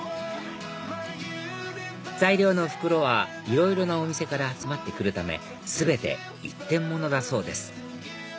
材料の袋はいろいろなお店から集まって来るため全て一点物だそうです